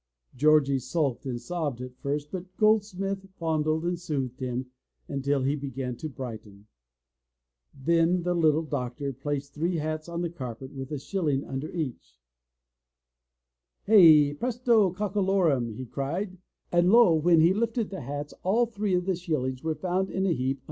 Georgie sulked and sobbed at first, but Goldsmith fondled and soothed him until he began to brighten. Then the little Doctor placed three hats on the carpet with a shilling under each. "Hey, presto, cockolorum!'' he cried. And lo! when he lifted the hats, all three of the shillings were found in a heap *Read The Jessamy Bride by F. F. Moore, a story oj Goldsmith and his time.